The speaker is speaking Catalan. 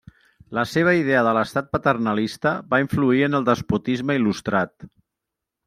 La seva idea de l'estat paternalista va influir en el despotisme il·lustrat.